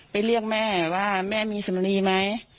เรียกแม่ว่าแม่มีสำลีไหม